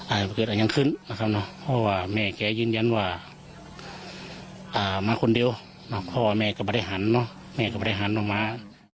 อาหารประเกิดยังขึ้นนะครับเนอะเพราะว่าแม่แกยืนยันว่ามาคนเดียวพอแม่ก็บริหารเนอะแม่ก็บริหารมา